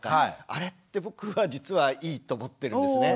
あれって僕は実はいいと思ってるんですね。